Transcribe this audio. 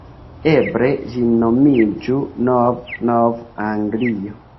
Eble ĝi nomiĝu Nov-Nov-Anglio.